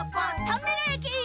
トンネルえき！